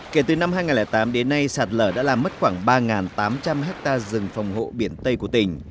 kể từ năm hai nghìn tám đến nay sạt lở đã làm mất khoảng ba tám trăm linh hectare rừng phòng hộ biển tây của tỉnh